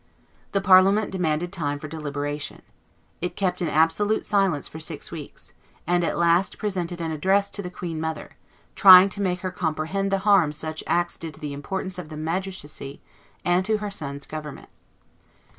The Parliament demanded time for deliberation. It kept an absolute silence for six weeks, and at last presented an address to the queen mother, trying to make her comprehend the harm such acts did to the importance of the magistracy and to her son's government.